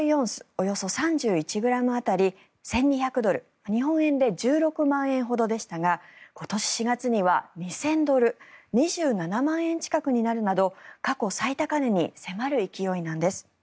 およそ３１ｇ当たり１２００ドル日本円で１６万円ほどでしたが今年４月には２０００ドル２７万円近くになるなど過去最高値に迫る勢いなんです。